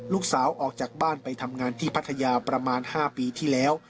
ลูกสาวออกจากบ้านไปทำงานที่พัทยาประมาณ๕ปีที่แล้ว